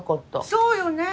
そうよね。